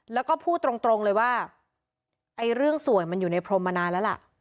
แล้วก็พูดตรงเลยว่าเรื่องสวยมันอยู่ในพรมมานานแล้วล่ะ